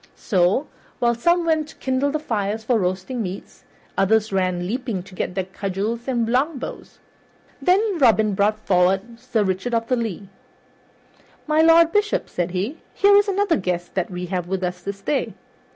So, while some went to kindle the fires for roasting meats, others ran leaping to get their cudgels and longbows. Then Robin brought forward Sir Richard of the Lea. "My Lord Bishop," said he, "here is another guest that we have with us this day.